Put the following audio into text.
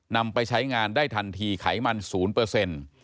นำไปใช้งานได้ทันทีไขมัน๐